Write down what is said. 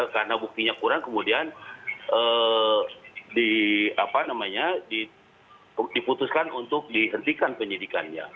karena buktinya kurang kemudian diputuskan untuk dihentikan penyidikannya